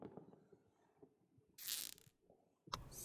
He recorded that roads in England were better than in America.